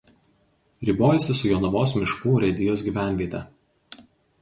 Ribojasi su Jonavos miškų urėdijos gyvenviete.